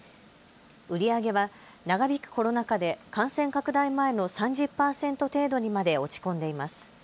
売り上げは長引くコロナ禍で感染拡大前の３０％程度にまで落ち込んでいます。